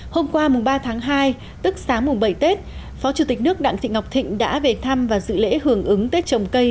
hôm qua mùng ba tháng hai tức sáng mùng bảy tết phó chủ tịch nước đặng thị ngọc thịnh đã về thăm và dự lễ hưởng ứng tết trồng cây